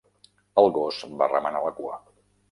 El gos va remenar la cua.